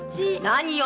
何よ！